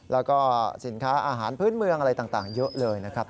แล้วก็สินค้าอาหารพื้นเมืองอะไรต่างเยอะเลยนะครับ